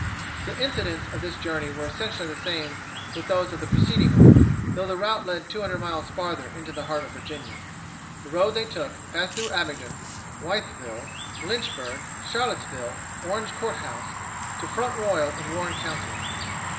The incidents of this journey were essentially the same with those of the preceding one, though the route led two hundred miles farther into the heart of Virginia. The road they took passed through Abingdon, Witheville, Lynchburg, Charlottesville, Orange Court House, to Front Royal in Warren County.